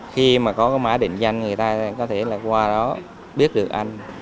khi mà có cái mã định danh người ta có thể là qua đó biết được anh